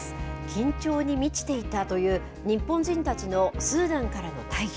緊張に満ちていたという、日本人たちのスーダンからの退避。